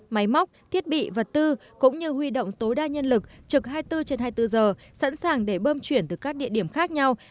máy móc thiết bị vật tư cũng như huy động tối đa nhân lực trực hai mươi bốn trên hai mươi bốn giờ sẵn sàng để bơm chuyển từ các địa điểm khác nhau